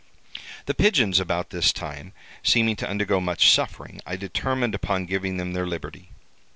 "The pigeons about this time seeming to undergo much suffering, I determined upon giving them their liberty.